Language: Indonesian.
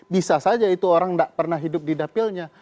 bisa saja itu orang tidak pernah hidup di dapilnya